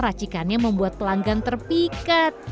racikannya membuat pelanggan terpikat